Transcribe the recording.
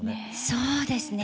そうですね